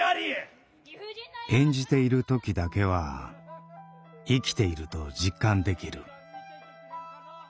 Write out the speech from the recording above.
演じている時だけは生きていると実感できる。